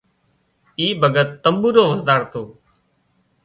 اِي ڀڳت تمٻورو وزاۯتو